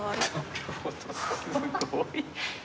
すごい。